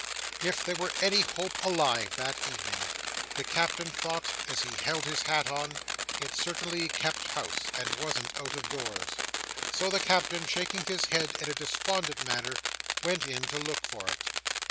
If there were any Hope alive that evening, the Captain thought, as he held his hat on, it certainly kept house, and wasn't out of doors; so the Captain, shaking his head in a despondent manner, went in to look for it.